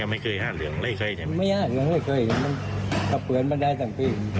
ไม่ยากเหมือนไม่เคยมันกระเปือนมาได้ตั้งที